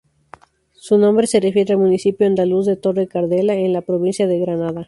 Su nombre se refiere al municipio andaluz de Torre-Cardela, en la provincia de Granada.